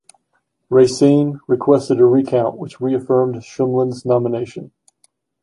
Racine requested a recount, which reaffirmed Shumlin's nomination.